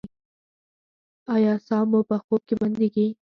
ایا ساه مو په خوب کې بندیږي؟